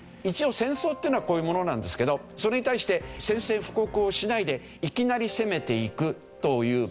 一応戦争っていうのはこういうものなんですけどそれに対して宣戦布告をしないでいきなり攻めていくという。